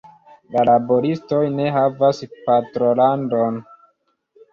La laboristoj ne havas patrolandon.